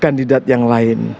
kandidat yang lain